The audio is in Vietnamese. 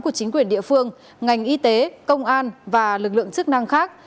của chính quyền địa phương ngành y tế công an và lực lượng chức năng khác